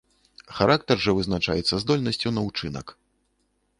Характар жа вызначаецца здольнасцю на ўчынак.